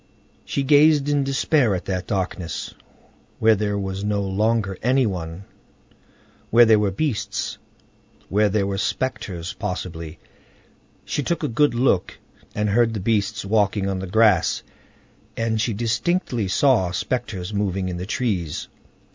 She gazed in despair at that darkness, where there was no longer any one, where there were beasts, where there were spectres, possibly. She took a good look, and heard the beasts walking on the grass, and she distinctly saw spectres moving in the trees.